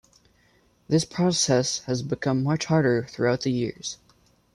This process has become much harder throughout the years.